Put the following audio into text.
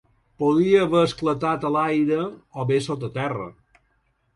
Podria haver esclatat a l’aire o bé sota terra.